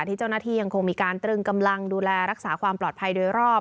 ที่เจ้าหน้าที่ยังคงมีการตรึงกำลังดูแลรักษาความปลอดภัยโดยรอบ